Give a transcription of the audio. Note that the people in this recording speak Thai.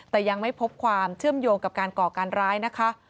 แต่ยังไม่พบความเชื่อมโยงกับการก่อการร้ายนะคะ